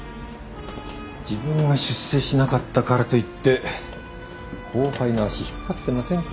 自分が出世しなかったからといって後輩の足引っ張ってませんか。